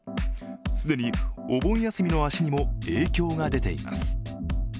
既にお盆休みの足にも影響が出ています。